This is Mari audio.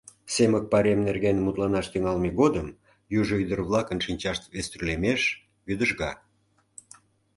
Семык пайрем нерген мутланаш тӱҥалме годым южо ӱдыр-влакын шинчашт вестӱрлемеш, вӱдыжга.